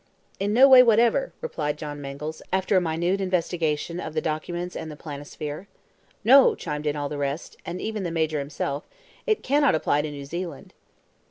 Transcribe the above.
"In no way whatever," replied John Mangles, after a minute investigation of the documents and the planisphere. "No," chimed in all the rest, and even the Major himself, "it cannot apply to New Zealand."